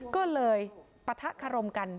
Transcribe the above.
ก็เลยปะทะคารมกัน